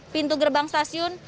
pintu gerbang stasiun